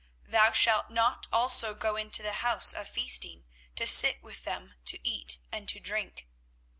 24:016:008 Thou shalt not also go into the house of feasting, to sit with them to eat and to drink.